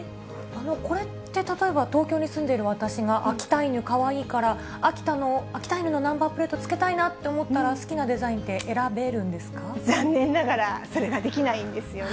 これって、例えば東京に住んでいる私が秋田犬かわいいから、秋田犬のナンバープレートつけたいなと思ったら、好きなデザイン残念ながら、それができないんですよね。